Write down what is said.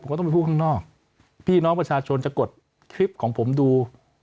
ก็ต้องไปพูดข้างนอกพี่น้องประชาชนจะกดคลิปของผมดู